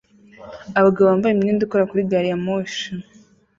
Abagabo bambaye imyenda ikora kuri gari ya moshi